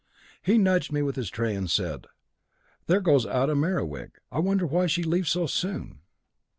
He nudged me with his tray and said, 'There goes out a Merewig. I wonder why she leaves so soon?'